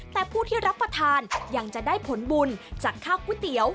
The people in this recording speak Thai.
แต่ผู้ที่รับประทานยังจะได้ผลบุญจากข้าวก๋วยเตี๋ยว